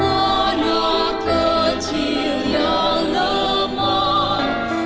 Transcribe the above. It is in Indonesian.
anak kecil yang lemah